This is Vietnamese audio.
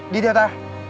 đi theo ta